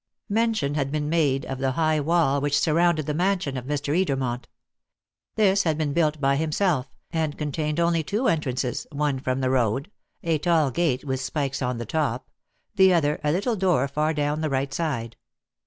Mention has been made of the high wall which surrounded the mansion of Mr. Edermont. This had been built by himself, and contained only two entrances, one from the road a tall gate with spikes on the top the other, a little door far down the right side.